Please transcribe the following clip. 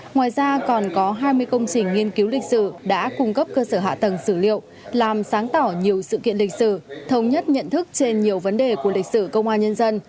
ngoài ra còn có hai mươi công trình nghiên cứu lịch sử đã cung cấp cơ sở hạ tầng xử liệu làm sáng tỏ nhiều sự kiện lịch sử thống nhất nhận thức trên nhiều vấn đề của lịch sử công an nhân dân